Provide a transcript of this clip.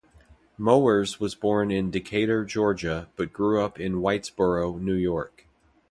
Mowers was born in Decatur, Georgia, but grew up in Whitesboro, New York.